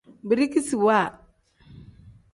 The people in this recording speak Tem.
Birikisiwa.